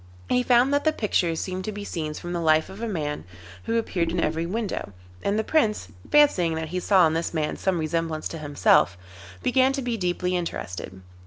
He found that the pictures seemed to be scenes from the life of a man who appeared in every window, and the Prince, fancying that he saw in this man some resemblance to himself, began to be deeply interested.